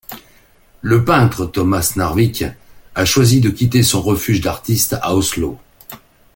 Le peintre Thomas Knarvik a choisi de quitter son refuge d’artiste à Oslo.